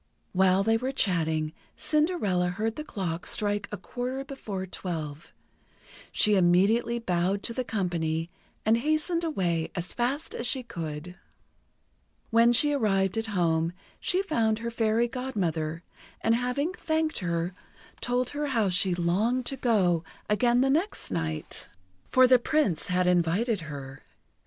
While they were chatting, Cinderella heard the clock strike a quarter before twelve. She immediately bowed to the company, and hastened away as fast as she could. When she arrived at home, she found her Fairy Godmother, and having thanked her, told her how she longed to go again the next night, for the Prince had invited her.